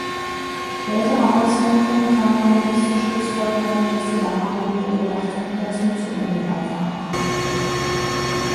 Spätere Auswertungen kamen allerdings zur Schlussfolgerung, dass die damaligen Beobachtungen dazu zu ungenau waren.